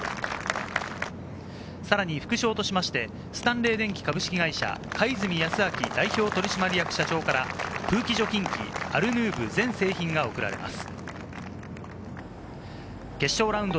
さらに副賞としまして、スタンレー電気株式会社・貝住泰昭代表取締役社長から空気除菌機アルヌーブ全製品が贈られます。